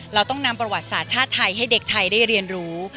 เราต้องนำประวัติศาสตร์ชาติไทยให้เด็กไทยได้เรียนรู้